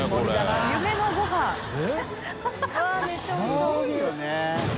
すごいよね。